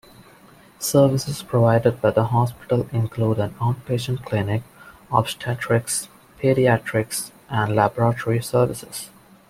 Services provided by the hospital include an outpatient clinic, obstetrics, pediatrics, and laboratory services.